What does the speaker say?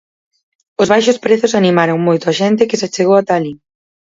Os baixos prezos animaron moito a xente que se achegou ata alí.